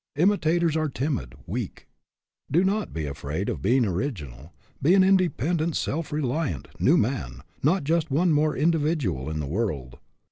Imitators are timid, weak. Do not be afraid of being original. Be an independent, self reliant, new man, not just one more individual in the world.